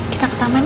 kita ke taman ya